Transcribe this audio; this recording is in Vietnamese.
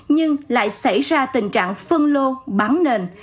nhưng lại xảy ra tình trạng phân lô bán nền